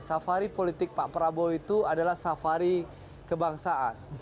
safari politik pak prabowo itu adalah safari kebangsaan